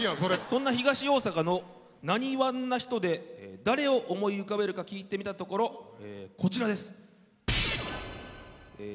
そんな東大阪の「なにわん」な人で誰を思い浮かべるか聞いてみたところこちらです。